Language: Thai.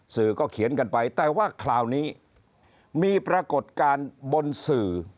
สื่อก็เขียนกันไปแต่ว่าคราวนี้มีปรากฏการณ์บนสื่อ